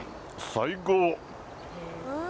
最高！